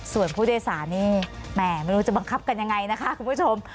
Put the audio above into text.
ส่วนผู้โดยสารนี่แหมไม่รู้จะบังคับกันยังไงนะคะคุณผู้ชม